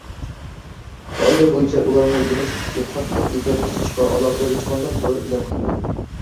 قائىدە بويىچە، ئۇلارمۇ يېڭى تىپتىكى قاتتىق دېتال ئېچىشقا ئالاقىدار ھېچقانداق خەۋەر ئېلان قىلمايدۇ.